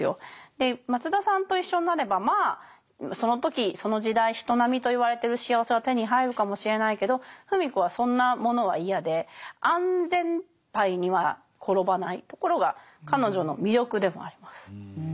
で松田さんと一緒になればまあその時その時代人並みといわれてる幸せは手に入るかもしれないけど芙美子はそんなものは嫌で安全パイには転ばないところが彼女の魅力でもあります。